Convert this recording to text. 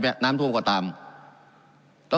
การปรับปรุงทางพื้นฐานสนามบิน